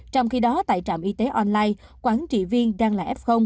trong khi đó tại trạm y tế online quán trị viên đang là f